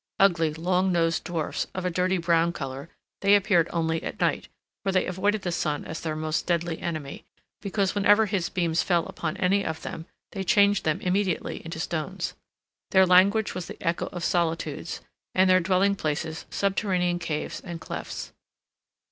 Ugly, long nosed dwarfs, of a dirty brown color, they appeared only at night, for they avoided the sun as their most deadly enemy, because whenever his beams fell upon any of them they changed them immediately into stones. Their language was the echo of solitudes, and their dwelling places subterranean caves and clefts.